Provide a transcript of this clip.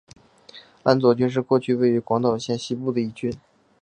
安佐郡是过去位于广岛县西部的一郡。